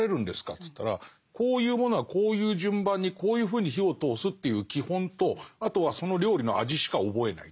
っつったら「こういうものはこういう順番にこういうふうに火を通すっていう基本とあとはその料理の味しか覚えない。